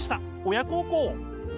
親孝行。